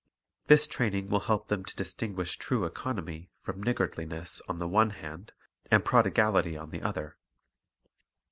This training will help them to distinguish true economy from niggardli ness on the one hand and prodigality on the other.